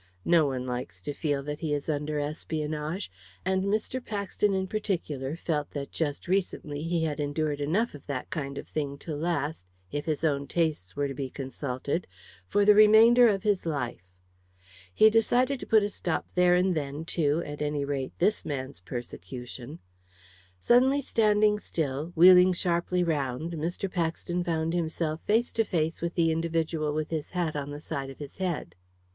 No one likes to feel that he is under espionage. And Mr. Paxton in particular felt that just recently he had endured enough of that kind of thing to last if his own tastes were to be consulted for the remainder of his life. He decided to put a stop there and then to, at any rate, this man's persecution. Suddenly standing still, wheeling sharply round, Mr. Paxton found himself face to face with the individual with his hat on the side of his head.